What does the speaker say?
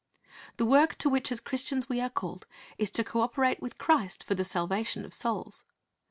The work to which as Christians we are called is to co operate with Christ for the salvation of souls.